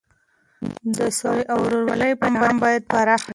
د سولې او ورورولۍ پیغام باید پراخه شي.